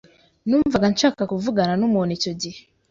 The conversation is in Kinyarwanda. Numvaga nshaka kuvugana numuntu icyo gihe.